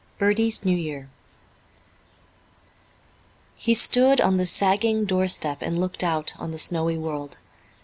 Bertie's New Year He stood on the sagging doorstep and looked out on the snowy world.